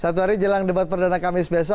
satu hari jelang debat perdana kami sebesok